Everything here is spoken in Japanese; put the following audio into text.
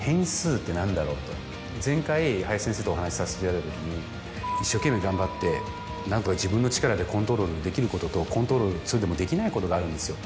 前回林先生とお話しさせていただいたときに一生懸命頑張って何とか自分の力でコントロールできることとコントロールそれでもできないことがあるんですよ。